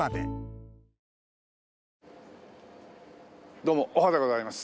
どうもおはでございます。